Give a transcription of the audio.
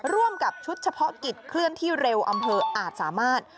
ร่วมกับชุดเฉพาะกิจเคลื่อนที่เร็วอำเภออาจสามารถ